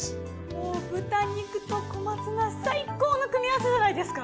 もう豚肉と小松菜最高の組み合わせじゃないですか。